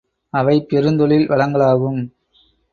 இவை பெருந்தொழில் வளங்களாகும்.